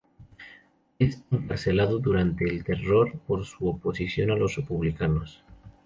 Es encarcelado durante el Terror por su oposición a los republicanos.